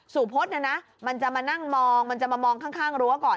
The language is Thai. พฤษเนี่ยนะมันจะมานั่งมองมันจะมามองข้างรั้วก่อน